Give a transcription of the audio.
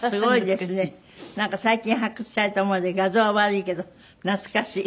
なんか最近発掘されたもので画像は悪いけど懐かしい。